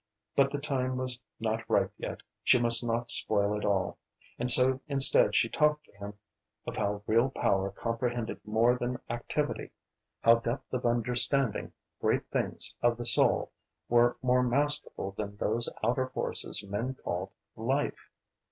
But the time was not ripe yet; she must not spoil it all. And so instead she talked to him of how real power comprehended more than activity, how depth of understanding, great things of the soul, were more masterful than those outer forces men called "life."